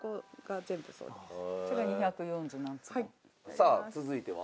さあ続いては？